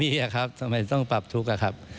นี่ครับทำไมต้องปรับทุกข์อะครับ